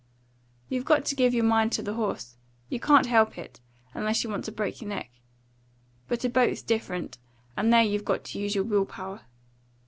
You've got to give your mind to the horse; you can't help it, unless you want to break your neck; but a boat's different, and there you got to use your will power.